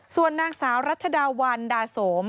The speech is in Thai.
ส่วนนางสาวรัชดาวันดาโสม